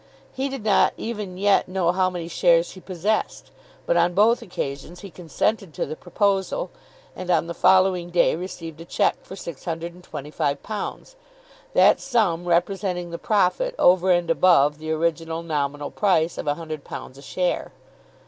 He did not even yet know how many shares he possessed, but on both occasions he consented to the proposal, and on the following day received a cheque for £625, that sum representing the profit over and above the original nominal price of £100 a share.